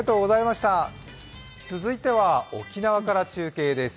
続いては沖縄から中継です。